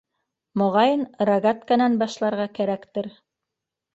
Моғайын, рогатканан башларға кәрәктер.